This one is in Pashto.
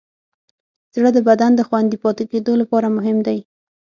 زړه د بدن د خوندي پاتې کېدو لپاره مهم دی.